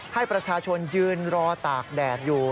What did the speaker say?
ให้ประชาชนยืนรอตากแดดอยู่